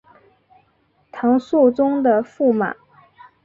唐肃宗的驸马。